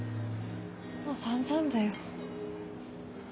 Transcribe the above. もう散々だよ。